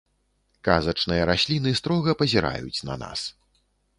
Казачныя расліны строга пазіраюць на нас.